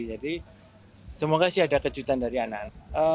jadi semoga sih ada kejutan dari anak